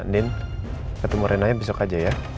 din ketemu renaya besok aja ya